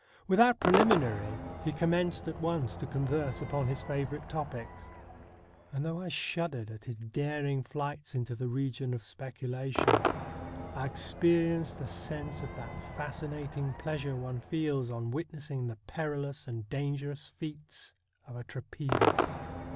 Without preliminary, he com menced at once to converse upon his favourite topics ; and though I shuddered at his daring flights into the region of speculation, I experienced a sense of that fascinating pleasure one feels on witnessing the perilous and dangerous feats of a trapezist.